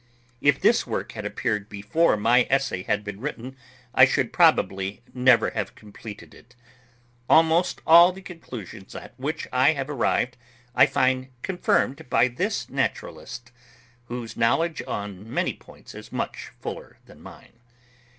If this work had appeared before my essay had been written, I should probably never have completed it. Almost all the conclusions at which I have arrived I find confirmed by this naturalist, whose knowledge on many points is much fuller than mine.